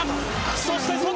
そして外！